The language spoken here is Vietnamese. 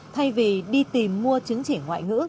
thay vì đi tìm mua chứng chỉ ngoại ngữ